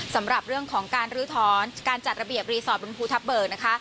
สำหรับเรื่องของการลื้อถอนการจัดระเบียบรีสอร์ทบนภูทับเบิกนะคะ